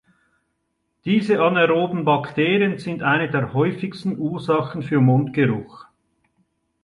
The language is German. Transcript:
Diese anaeroben Bakterien sind eine der häufigsten Ursachen für Mundgeruch.